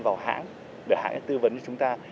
vào hãng để hãng tư vấn cho chúng ta